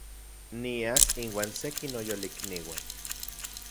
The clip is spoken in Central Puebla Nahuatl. Nias inuan seki noyolikniuan